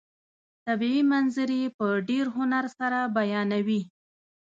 طبیعي منظرې په ډېر هنر سره بیانوي.